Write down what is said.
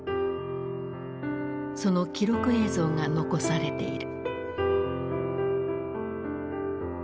その記録映像が残されている。